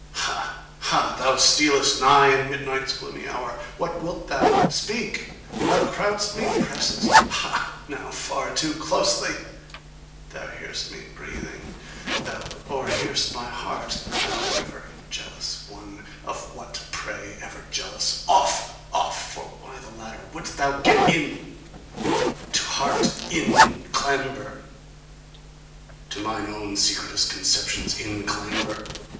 Ha! Ha! Thou stealest nigh In midnight's gloomy hour?... What wilt thou? Speak! Thou crowdst me, pressest Ha! now far too closely! Thou hearst me breathing, Thou o'erhearst my heart, Thou ever jealous one! Of what, pray, ever jealous? Off! Off! For why the ladder? Wouldst thou GET IN? To heart in clamber? To mine own secretest Conceptions in clamber?